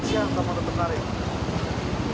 siapa yang mau narik